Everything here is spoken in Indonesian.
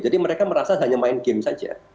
jadi mereka merasa hanya main game saja